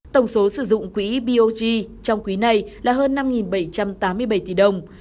tổng số sử dụng quỹ bog trong quý này là hơn năm bảy trăm tám mươi bảy tỷ đồng